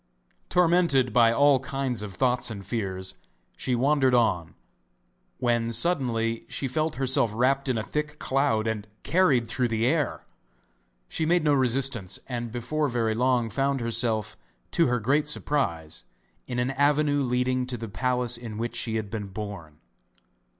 Tormented by all kinds of thoughts and fears she wandered on, when suddenly she felt herself wrapped in a thick cloud and carried through the air. She made no resistance and before very long found herself, to her great surprise, in an avenue leading to the palace in which she had been born.